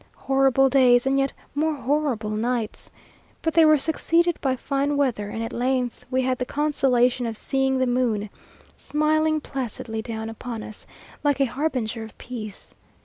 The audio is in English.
Horrible days, and yet more horrible nights! But they were succeeded by fine weather, and at length we had the consolation of seeing the moon, smiling placidly down upon us, like a harbinger of peace.